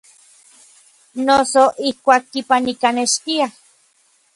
Noso ijkuak kipanijkanextiaj.